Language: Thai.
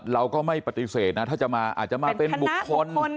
เราก็ไม่ปฏิเสธนะถ้าจะมาอาจจะมาเป็นบุคคล